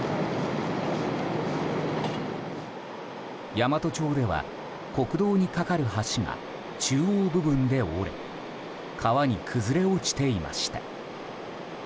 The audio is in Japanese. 山都町では、国道に架かる橋が中央部分で折れ川に崩れ落ちていました。